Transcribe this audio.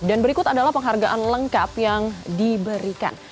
dan berikut adalah penghargaan lengkap yang diberikan